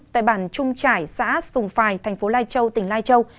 tại bản trung trải xã sùng phài thành phố lai châu tỉnh lai châu